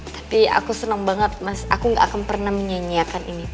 tapi aku senang banget mas aku gak akan pernah menyanyiakan ini